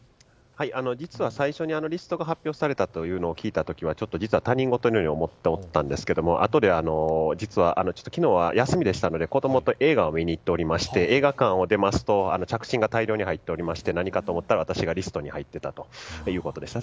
実は最初にリストが発表されたと聞いた時は他人事のように思っていたんですが昨日は休みでしたので子供と映画を見に行っておりまして映画館を出ますと着信が大量に入っておりまして何かと思っていたら私がリストに入っていたということでした。